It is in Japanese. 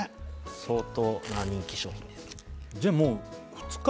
相当な人気商品です